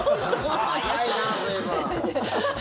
早いな随分。